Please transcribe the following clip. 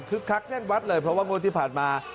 คักแน่นวัดเลยเพราะว่างวดที่ผ่านมา